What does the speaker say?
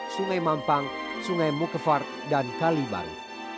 sungai mampang sungai mukevar dan kalibang